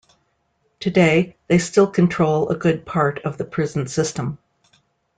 Today, they still control a good part of the prison system.